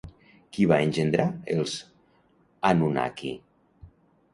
Qui va engendrar els Anunnaki?